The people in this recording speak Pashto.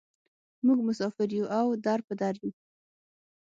موږ مسافر یوو او در په در یوو.